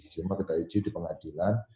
semua kita uji di pengadilan